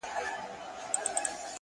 • په څو ځلي مي ستا د مخ غبار مات کړی دی،